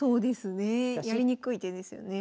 やりにくい手ですよね。